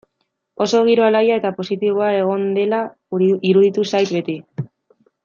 Oso giro alaia eta positiboa egon dela iruditu zait beti.